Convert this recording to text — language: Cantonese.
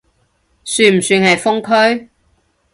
算唔算係封區？